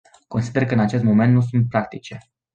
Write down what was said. Consider că în acest moment nu sunt practice.